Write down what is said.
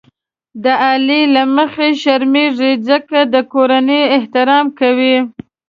د علي له مخې شرمېږم ځکه یې د کورنۍ احترام کوم.